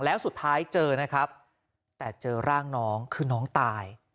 แล้วสุดท้ายเจอนะครับแต่เจอร่างน้องคือน้องตาย